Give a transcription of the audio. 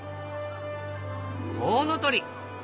コウノトリ。